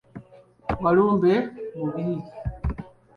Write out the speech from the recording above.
Walumbe mubbi!